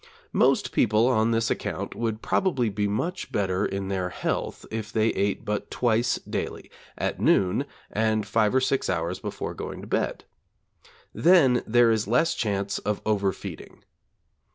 Most people on this account would probably be much better in their health if they ate but twice daily, at noon, and five or six hours before going to bed. Then there is less chance of over feeding.